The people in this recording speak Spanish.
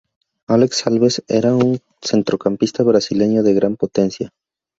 Alex Alves era un centrocampista brasileño de gran potencia.